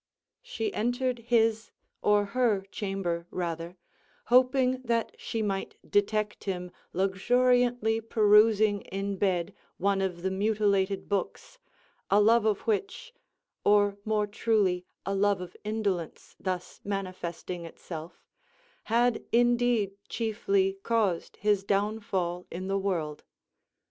She entered his, or her chamber, rather, hoping that she might detect him luxuriantly perusing in bed one of the mutilated books, a love of which (or more truly a love of indolence, thus manifesting itself) had indeed chiefly caused his downfall in the world.